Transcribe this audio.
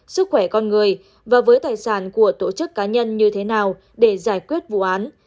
sức khỏe con người và với tài sản của tổ chức cá nhân như thế nào để giải quyết vụ án